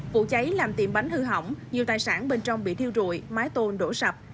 vụ cháy làm tiệm bánh hư hỏng nhiều tài sản bên trong bị thiêu rụi mái tôn đổ sập